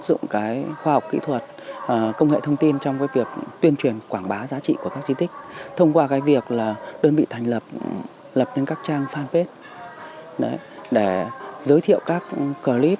tại tỉnh bắc ninh ngành du lịch đã từng bước ứng dụng công nghệ thông tin vào một số khâu quảng bá giới thiệu sản phẩm du lịch và tạo ra những trang website fanpage để tạo ra sự tương tác giới thiệu sản phẩm du lịch